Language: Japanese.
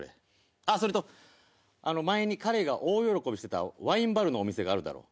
ああそれと前に彼が大喜びしてたワインバルのお店があるだろ。